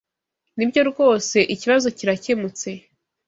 Nibyo rwose ikibazo kiracyemutse.